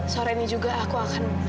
sore ini juga aku akan